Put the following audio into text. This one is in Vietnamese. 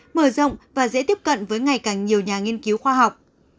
mở rộng và dễ tiếp cận với ngày càng nhiều nhà nghiên cứu khoa học